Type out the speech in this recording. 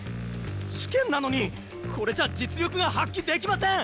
試験なのにこれじゃ実力が発揮できません！